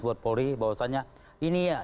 buat polri bahwasannya ini